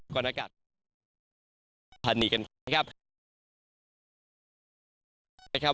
ก่อนอากาศ